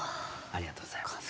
ありがとうございます。